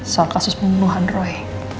soal kasus pembunuhan roy